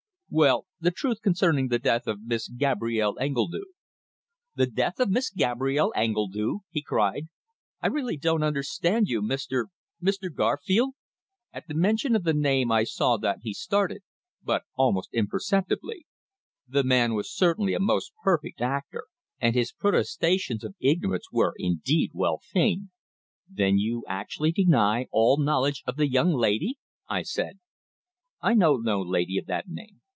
"Well, the truth concerning the death of Miss Gabrielle Engledue." "The death of Miss Gabrielle Engledue!" he cried. "I really don't understand you, Mr. Mr. Garfield!" At mention of the name I saw that he started, but almost imperceptibly. The man was certainly a most perfect actor, and his protestations of ignorance were, indeed, well feigned. "Then you actually deny all knowledge of the young lady!" I said. "I know no lady of that name."